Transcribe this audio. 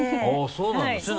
そうなんです